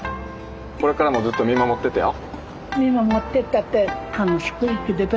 これからもずっと見守っててよ。